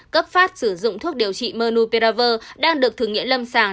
cấp phát sử dụng thuốc điều trị monopiravir đang được thử nghiệm lâm sàng